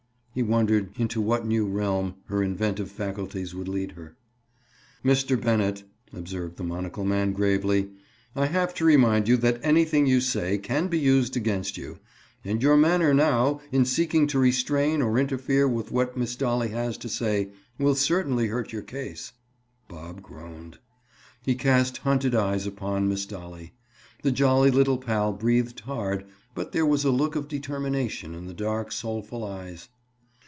He wondered into what new realm her inventive faculties would lead her. "Mr. Bennett," observed the monocle man gravely, "I have to remind you that anything you say can be used against you. And your manner now, in seeking to restrain or interfere with what Miss Dolly has to say, will certainly hurt your case." Bob groaned. He cast hunted eyes upon Miss Dolly. The jolly little pal breathed hard, but there was a look of determination in the dark soulful eyes.